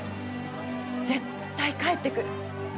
絶対帰ってくる。